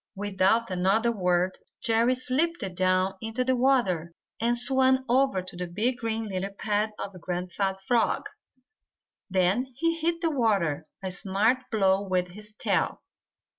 Without another word Jerry slipped down into the water and swam over to the big green lily pad of Grandfather Frog. Then he hit the water a smart blow with his tail.